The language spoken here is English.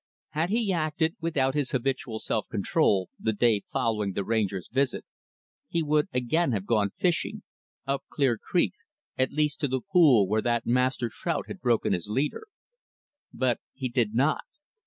Had he acted without his habitual self control, the day following the Ranger's visit, he would, again, have gone fishing up Clear Creek at least, to the pool where that master trout had broken his leader. But he did not.